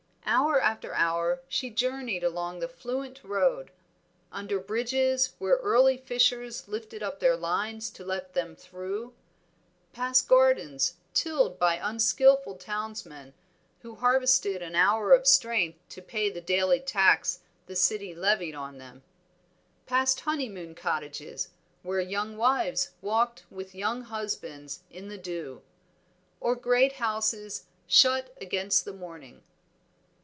Hour after hour she journeyed along that fluent road. Under bridges where early fishers lifted up their lines to let them through; past gardens tilled by unskilful townsmen who harvested an hour of strength to pay the daily tax the city levied on them; past honeymoon cottages where young wives walked with young husbands in the dew, or great houses shut against the morning.